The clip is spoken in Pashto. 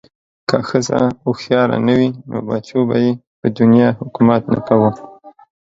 که ښځه هوښیاره نه وی نو بچو به ېې په دنیا حکومت نه کوه